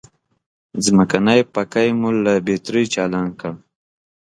ځمکنی پکی مو له بترۍ چالان کړ.